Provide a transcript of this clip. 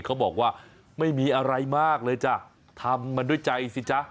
เขาบอกว่าไม่มีอะไรมากเลยจ้ะทำมันด้วยใจสิจ๊ะ